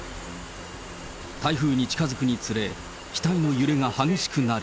台風に近づくにつれ、機体の揺れが激しくなり。